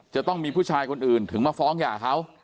จะต้องมีผู้ชายคนอื่นถึงมาฟ้องหย่าเขา